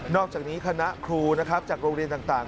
อกจากนี้คณะครูนะครับจากโรงเรียนต่าง